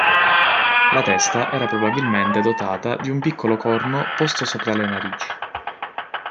La testa era probabilmente dotata di un piccolo corno posto sopra le narici.